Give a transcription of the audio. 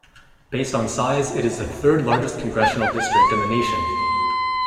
Based on size, it is the third largest congressional district in the nation.